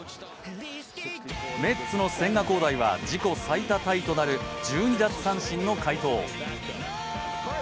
メッツの千賀滉大は自己最多タイとなる１２奪三振の快投。